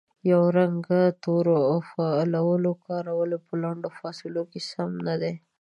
د یو رنګه تورو او فعلونو کارول په لنډو فاصلو کې سم نه دي